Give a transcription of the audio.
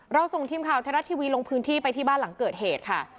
ส่งทีมข่าวไทยรัฐทีวีลงพื้นที่ไปที่บ้านหลังเกิดเหตุค่ะ